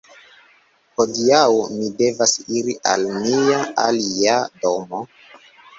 Hodiaŭ mi devas iri al mia alia domo.